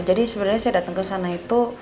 jadi sebenarnya saya datang kesana itu